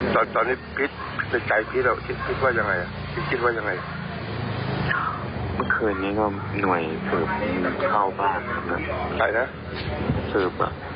ตัวน้องไม่คิดว่า